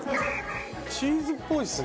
チーズっぽいですね